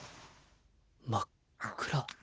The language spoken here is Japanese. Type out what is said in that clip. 真っ暗。